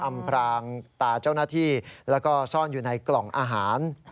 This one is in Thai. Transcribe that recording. อำพรางตาเจ้าหน้าที่แล้วก็ซ่อนอยู่ในกล่องอาหาร